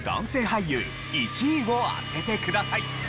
俳優１位を当ててください。